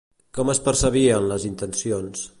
Com es percebrien les intencions?